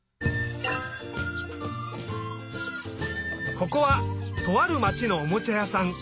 ここはとあるまちのおもちゃやさん。